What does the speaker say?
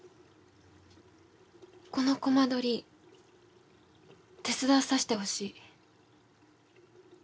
このコマ撮り手伝わさせてほしい。